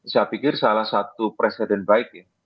saya pikir salah satu presiden baik ya